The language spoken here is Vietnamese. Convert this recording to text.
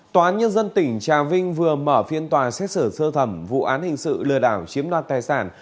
tòa án nhân dân tỉnh trà vinh vừa mở phiên tòa xét xử sơ thẩm vụ án hình sự lừa đảo chiếm đoạt tài sản